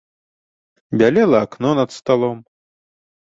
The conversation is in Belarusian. Бялела акно над сталом.